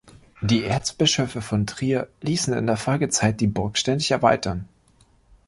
Die Erzbischöfe von Trier ließen in der Folgezeit die Burg ständig erweitern.